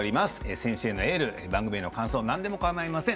選手へのエールや番組への感想なんでも、かまいません。